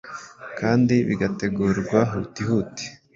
kandi bigategurwa huti huti,